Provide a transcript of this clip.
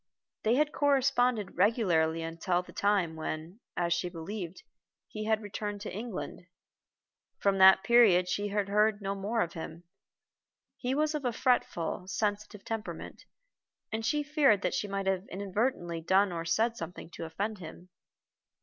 They had corresponded regularly until the time when, as she believed, he had returned to England. From that period she heard no more of him. He was of a fretful, sensitive temperament, and she feared that she might have inadvertently done or said something to offend him.